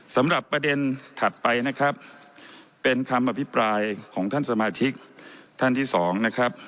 สำหรับประเด็นถัดไปนะครับเป็นคำอภิปรายของท่านสมาชิกท่านที่สองนะครับ